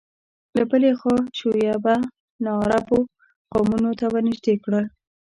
له بلې خوا شعوبیه ناعربو قومونو ته ورنژدې کړ